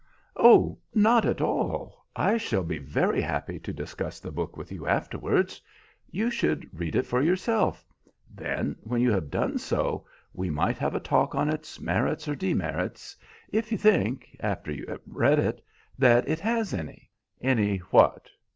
"Oh, not at all. I shall be very happy to discuss the book with you afterwards. You should read it for yourself. Then, when you have done so, we might have a talk on its merits or demerits, if you think, after you have read it, that it has any." "Any what?